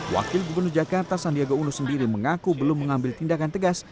wakil gubernur jakarta sandiaga uno sendiri mengaku belum mengambil tindakan tegas